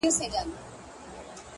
o ځكه ځوانان ورانوي ځكه يې زړگي ورانوي،